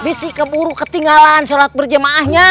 habis habis keburu ketinggalan syarat berjemaahnya